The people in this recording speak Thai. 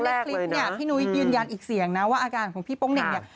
และคลิปเนี่ยพี่นุ้ยยืนยันอีกเสียงนะว่าอาการของพี่โป๊งเหน่งเนี่ย